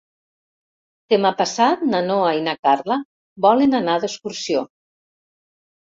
Demà passat na Noa i na Carla volen anar d'excursió.